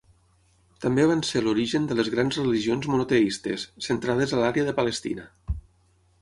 També van ser l'origen de les grans religions monoteistes, centrades a l'àrea de Palestina.